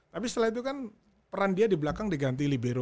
tapi setelah itu kan peran dia di belakang diganti libero